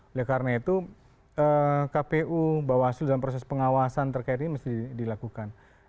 oleh karena itu kpu bawaslu dalam proses pengawasan terkait ini mesti dilakukan